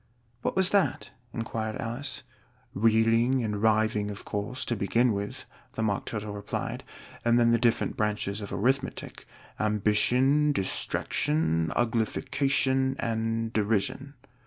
"What was that?" inquired Alice. "Reeling and Writhing, of course, to begin with," the Mock Turtle replied; "and then the different branches of Arithmetic Ambition, Distraction, Uglification, and Derision."